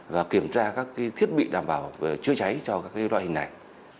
và kiểm tra các thiết bị đảm bảo về chữa cháy cho các loại hình này